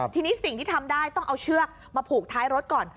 ทีนี้สิ่งที่ทำได้ต้องเอาเชือกมาผูกท้ายรถก่อน